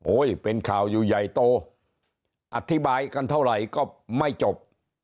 เป็นข่าวอยู่ใหญ่โตอธิบายกันเท่าไหร่ก็ไม่จบ